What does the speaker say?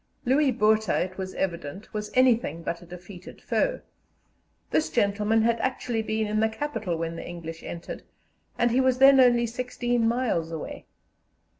Louis Botha, it was evident, was anything but a defeated foe. This gentleman had actually been in the capital when the English entered, and he was then only sixteen miles away.